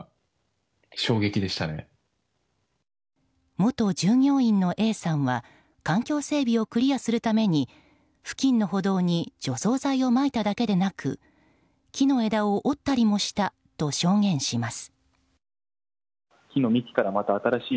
元従業員のＡさんは環境整備をクリアするために付近の歩道に除草剤をまいただけでなく木の枝を折ったりもしたと証言します。